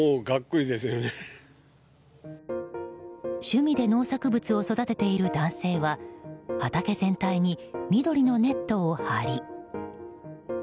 趣味で農作物を育てている男性は畑全体に緑のネットを張り。